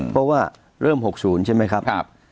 เพราะว่าเริ่ม๖๐ใช่ไหมครับ